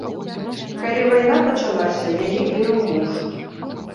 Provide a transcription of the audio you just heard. Калі вайна пачалася, яе кінуў муж.